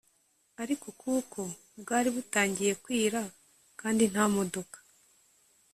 ariko kuko bwari butangiye kwira kandi nta modoka